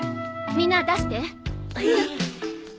みんな出して。